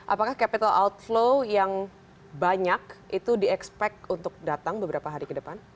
apakah capital outflow yang banyak itu di expect untuk datang beberapa hari ke depan